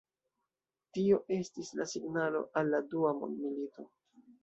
Tio estis la signalo al la dua mondmilito.